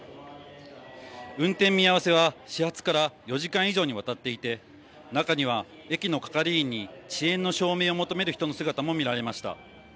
運転見合わせは始発から４時間以上にわたっていて中には駅の係員に遅延の証明を求める人の姿も見られました。